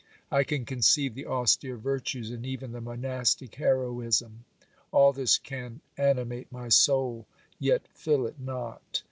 I can conceive the austere virtues and even the monastic heroism. All this can animate my soul, yet fill it not.